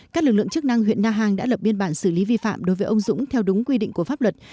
các lực lượng chức năng huyện na hàng đã lập biên bản xử lý vi phạm đối với ông dũng theo đúng quy định của pháp luật